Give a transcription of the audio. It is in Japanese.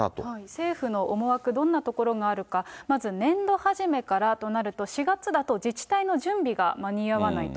政府の思惑、どんなところがあるか、まず年度初めからとなると、４月だと自治体の準備が間に合わないと。